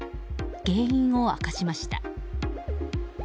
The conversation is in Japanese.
原因を明かしました。